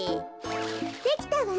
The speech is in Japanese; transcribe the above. できたわ。